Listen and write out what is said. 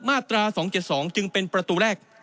มาตรา๒๗๒จึงเป็นประตูแรก